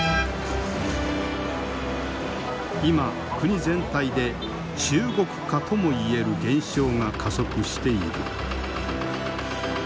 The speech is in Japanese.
今国全体で中国化ともいえる現象が加速している。